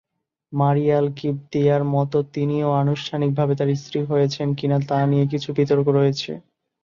মারিয়া আল-কিবতিয়া'র মতো তিনিও আনুষ্ঠানিকভাবে তার স্ত্রী হয়েছেন কিনা তা নিয়ে কিছু বিতর্ক রয়েছে।